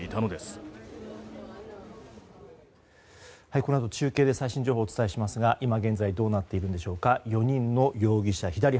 このあと中継で最新情報をお伝えしますが今現在どうなっているんでしょうか４人の容疑者。